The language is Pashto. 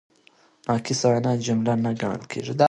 ناقصه وینا جمله نه ګڼل کیږي.